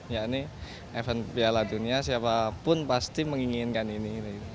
ya ini event piala dunia siapapun pasti menginginkan ini